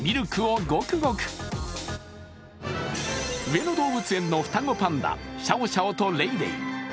上野動物園の双子パンダ、シャオシャオとレイレイ。